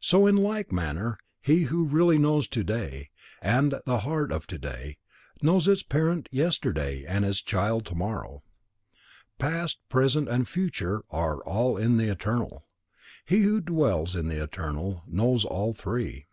So in like manner he who really knows today, and the heart of to day, knows its parent yesterday and its child tomorrow. Past, present and future are all in the Eternal. He who dwells in the Eternal knows all three.